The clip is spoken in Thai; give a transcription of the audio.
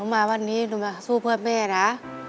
มาวันนี้หนูมาสู้เพื่อแม่นะ